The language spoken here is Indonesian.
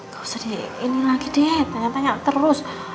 gak usah di ini lagi deh tanya tanya terus